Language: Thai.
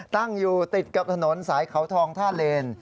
ตั้งอยู่ติดกับถนนสายเขาทองท่าเลน